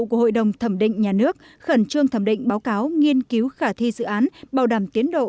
của hội đồng thẩm định nhà nước khẩn trương thẩm định báo cáo nghiên cứu khả thi dự án bảo đảm tiến độ